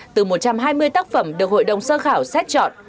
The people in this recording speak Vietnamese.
từ một trăm hai mươi tác phẩm được hội đồng sơ khảo xét chọn